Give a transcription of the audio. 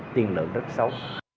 tiền lợi rất xấu